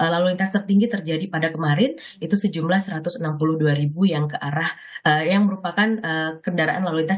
lalu lintas tertinggi terjadi pada kemarin itu sejumlah satu ratus enam puluh dua ribu yang ke arah yang merupakan kendaraan lalu lintas